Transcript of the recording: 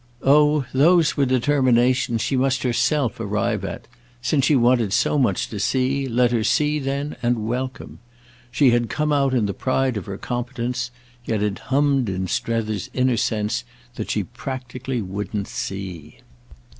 Oh those were determinations she must herself arrive at; since she wanted so much to see, let her see then and welcome. She had come out in the pride of her competence, yet it hummed in Strether's inner sense that she practically wouldn't see.